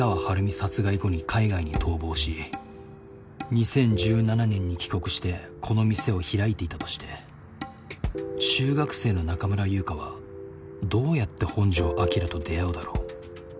殺害後に海外に逃亡し２０１７年に帰国してこの店を開いていたとして中学生の中村優香はどうやって本城彰と出会うだろう。